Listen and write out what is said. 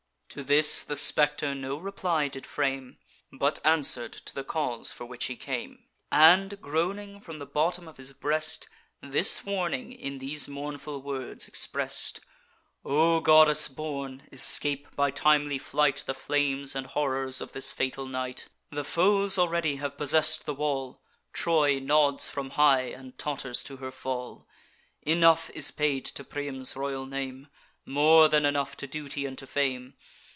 "To this the spectre no reply did frame, But answer'd to the cause for which he came, And, groaning from the bottom of his breast, This warning in these mournful words express'd: 'O goddess born! escape, by timely flight, The flames and horrors of this fatal night. The foes already have possess'd the wall; Troy nods from high, and totters to her fall. Enough is paid to Priam's royal name, More than enough to duty and to fame.